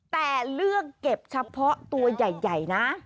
แต่เลือกเก็บเฉพาะตัวใหญ่นะ